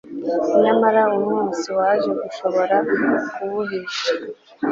nyamara umwotsi waje ntushobora kuwuhisha